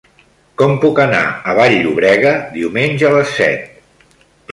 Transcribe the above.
Com puc anar a Vall-llobrega diumenge a les set?